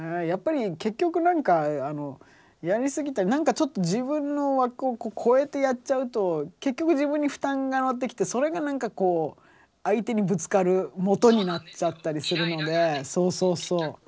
やっぱり結局なんかやりすぎたりなんかちょっと自分の枠を超えてやっちゃうと結局自分に負担がのってきてそれがなんかこう相手にぶつかるもとになっちゃったりするので。